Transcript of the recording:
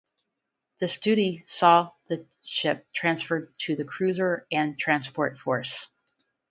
This duty saw the ship transferred to the Cruiser and Transport Force.